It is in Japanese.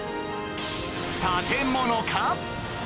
建物か？